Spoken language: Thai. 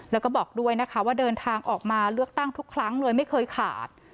แล้วก็บอกด้วยนะคะว่าเดินทางออกมาเลือกตั้งทุกครั้งเลยไม่เคยขาด